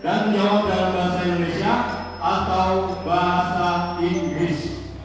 dan menjawab dalam bahasa indonesia atau bahasa inggris